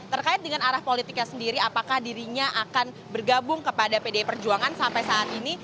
terkait dengan arah politiknya sendiri apakah dirinya akan bergabung kepada pdi perjuangan sampai saat ini